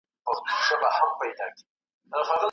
د صنعتي ټولنو ستونزې څه وې؟